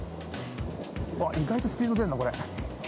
意外とスピード出るな、これ。